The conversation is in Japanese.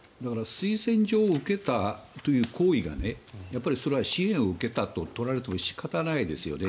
推薦状を受けたという行為がそれは支援を受けたと取られても仕方がないですよね。